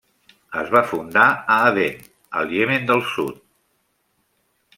Es va fundar a Aden, al Iemen del Sud.